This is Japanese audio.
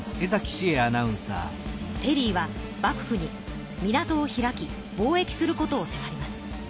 ペリーは幕府に港を開き貿易することをせまります。